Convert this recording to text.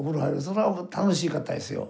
そりゃ楽しかったですよ。